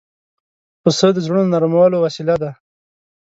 پسه د زړونو نرمولو وسیله ده.